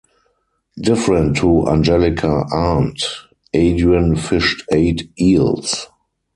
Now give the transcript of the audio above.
Different to Angelika Arndt, Adrian fished eight eels.